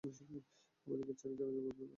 আমাদেরকে ছেড়ে জানাযা পড়বেন না।